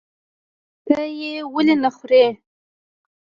ته یې ولې نخورې؟